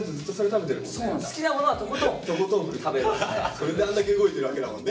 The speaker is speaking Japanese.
それであんだけ動いてるわけだもんね。